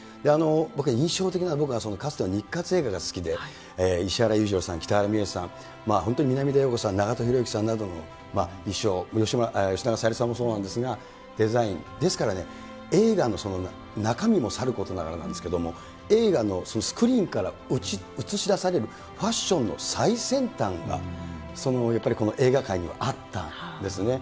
僕、印象的なのは、かつての日活映画が好きで、石原裕次郎さん、北原みえさん、本当に南田洋子さん、長門裕之さんなどの、衣装、吉永小百合さんもそうなんですが、デザイン、ですからね、映画の中身もさることながらなんですが、映画のスクリーンから映し出されるファッションの最先端がやっぱり映画界にはあったんですね。